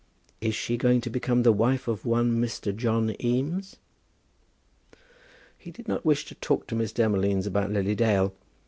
"She is not going to become the wife of one Mr. John Eames?" He did not wish to talk to Miss Demolines about Lily Dale.